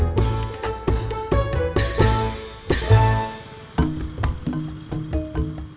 bicara tentang siang